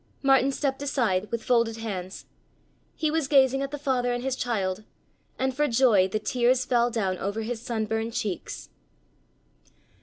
Martin stepped aside, with folded hands; he was gazing at the father and his child, and for joy the tears fell down over his sun burned cheeks.